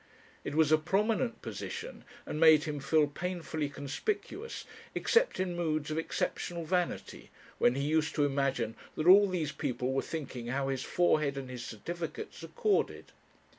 It was a prominent position, and made him feel painfully conspicuous, except in moods of exceptional vanity, when he used to imagine that all these people were thinking how his forehead and his certificates accorded.